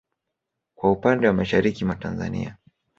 Kwa upande wa mashariki mwa Tanzania